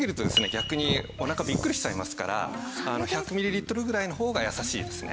逆におなかがビックリしちゃいますから１００ミリリットルぐらいの方が優しいですね。